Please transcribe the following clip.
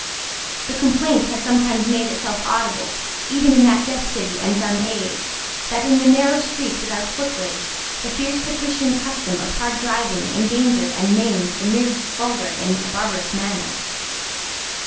The complaint had sometimes made itself audible, even in that deaf city and dumb age, that, in the narrow streets without footways, the fierce patrician custom of hard driving endangered and maimed the mere vulgar in a barbarous manner.